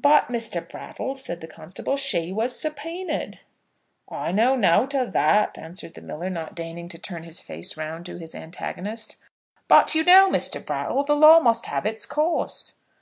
"But, Mr. Brattle," said the constable, "she was subpoenaed." "I know now't o' that," answered the miller, not deigning to turn his face round to his antagonist. "But you know, Mr. Brattle, the law must have its course."